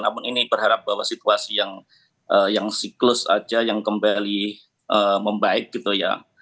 namun ini berharap bahwa situasi yang siklus saja yang kembali membaik gitu ya